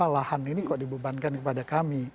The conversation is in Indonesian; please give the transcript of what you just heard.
lahan ini kok dibebankan kepada kami